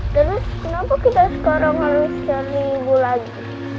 terus kenapa kita sekarang harus cari ibu lagi